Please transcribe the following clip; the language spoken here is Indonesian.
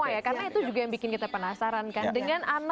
jadi semua hand in hand as a team